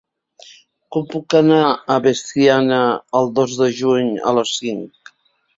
Com puc anar a Veciana el dos de juny a les cinc?